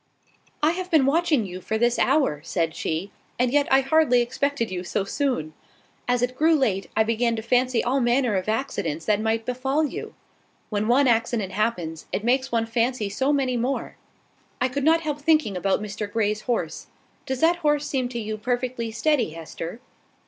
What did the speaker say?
"I have been watching for you this hour," said she; "and yet I hardly expected you so soon. As it grew late, I began to fancy all manner of accidents that might befall you. When one accident happens, it makes one fancy so many more! I could not help thinking about Mr Grey's horse. Does that horse seem to you perfectly steady, Hester?